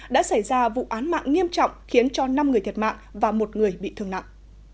đã xảy ra vụ án mạng nghiêm trọng khiến cho năm người thiệt mạng và một người bị thương nặng